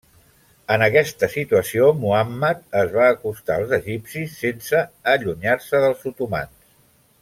En aquesta situació Muhammad es va acostar als egipcis sense allunyar-se dels otomans.